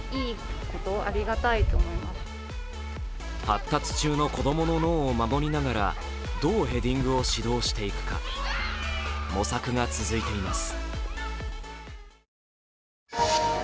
発達中の子供の脳を守りながらどうヘディングを指導していくか、模索が続いています。